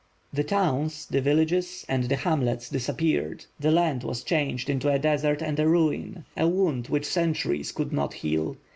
The towns, the villages and the hamlets disappeared; the land was changed into a desert and a ruin — a wound which centuries could not heal.